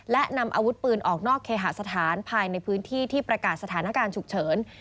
และนำอาวุธปืนออกนอกเคหาสถานภายในพื้นที่ที่ประกาศสถานการณ์ฉุกเฉิน